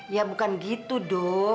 ya bukan gitu do